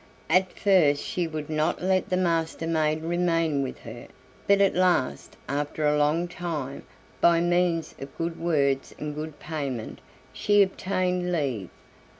At first she would not let the Master maid remain with her; but at last, after a long time, by means of good words and good payment, she obtained leave.